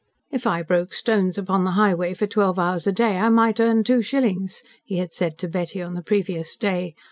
"If I broke stones upon the highway for twelve hours a day, I might earn two shillings," he had said to Betty, on the previous day.